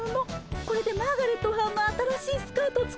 これでマーガレットはんの新しいスカート作ってね。